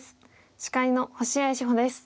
司会の星合志保です。